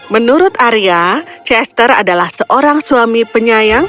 menurut arya chester adalah seorang suami penyayang